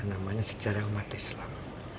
namanya sejarah umat islam